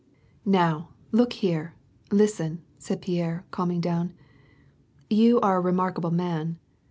"Now, look here, listen," said Pierre, calming down. "You are a remarkable man.